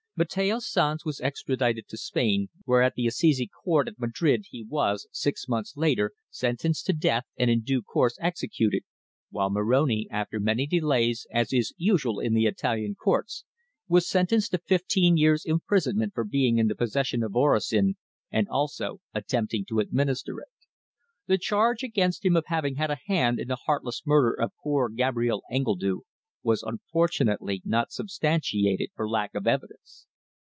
Mateo Sanz was extradited to Spain, where at the Assize Court at Madrid he was, six months later, sentenced to death and in due course executed, while Moroni, after many delays, as is usual in the Italian Courts, was sentenced to fifteen years' imprisonment for being in the possession of orosin, and also attempting to administer it. The charge against him of having had a hand in the heartless murder of poor Gabrielle Engledue was unfortunately not substantiated for lack of evidence.